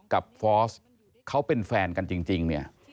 กับฟอสเขาเป็นแฟนกันจริง